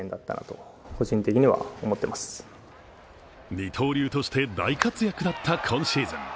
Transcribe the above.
二刀流として大活躍だった今シーズン。